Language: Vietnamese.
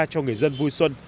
cho người dân vui xuân